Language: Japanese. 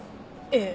ええ。